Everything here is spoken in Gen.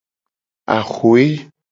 Axwe.